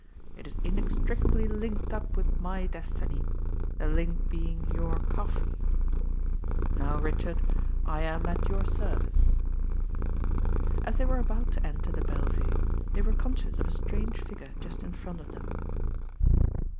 It is in extricably linked up with my destiny, the link being your coffee. Now, Richard, I am at yo ;r service." As they were about to enter the Belle Vue, they were conscious of a strange figure just in front of them.